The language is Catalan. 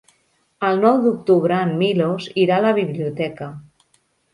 El nou d'octubre en Milos irà a la biblioteca.